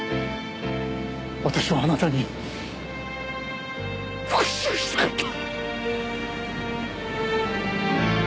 私はあなたに復讐したかった。